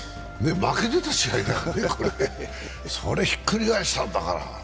負けてた試合だからね、それをひっくり返したんだから。